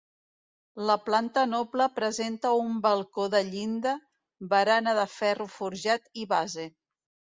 La planta noble presenta un balcó de llinda, barana de ferro forjat i base.